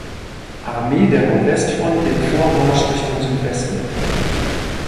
Armee der Nordwestfront den Vormarsch Richtung Südwesten.